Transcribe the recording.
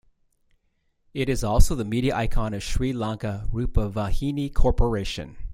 It is also the media icon of Sri Lanka Rupavahini Corporation.